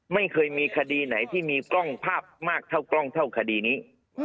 ไม่เคยมีคดีไหนที่มีกล้องภาพมากเท่ากล้องเท่าคดีนี้